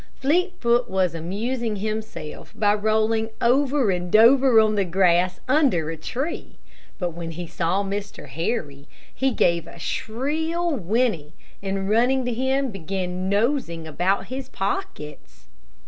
Fleetfoot was amusing himself by rolling over and over on the grass under a tree, but when he saw Mr. Harry, he gave a shrill whinny, and running to him, began nosing about his pockets.